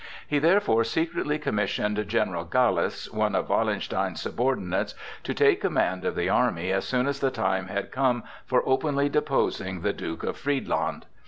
He therefore secretly commissioned General Gallas, one of Wallenstein's subordinates, to take command of the army as soon as the time had come for openly deposing the Duke of Friedland.